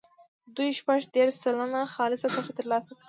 دوی شپږ دېرش سلنه خالصه ګټه ترلاسه کړي.